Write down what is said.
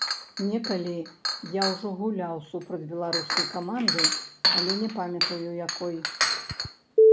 Некалі я ўжо гуляў супраць беларускай каманды, але не памятаю, якой.